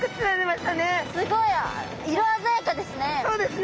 すごい色あざやかですね。